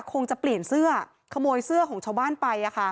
คงจะเปลี่ยนเสื้อขโมยเสื้อของชาวบ้านไป